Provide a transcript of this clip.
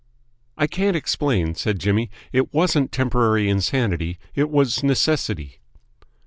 "I can't explain," said Jimmy. "It wasn't temporary insanity; it was necessity."